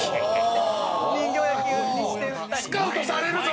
スカウトされるぞ！